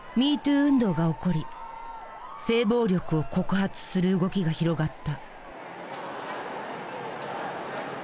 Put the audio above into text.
運動が起こり「性暴力を告発する」動きが広がった。